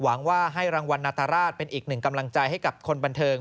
หวังว่าให้รางวัลนาตราชเป็นอีกหนึ่งกำลังใจให้กับคนบันเทิง